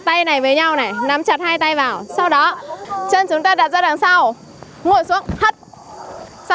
tay này với nhau này nắm chặt hai tay vào sau đó chân chúng ta đặt ra đằng sau ngồi xuống hất sau